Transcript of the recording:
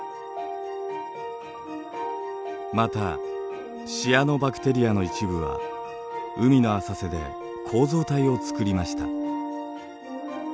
またシアノバクテリアの一部は海の浅瀬で構造体をつくりました。